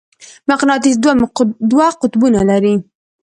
مقناطیس دوه قطبونه لري.